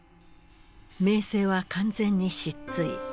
名声は完全に失墜。